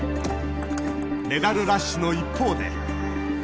メダルラッシュの一方で。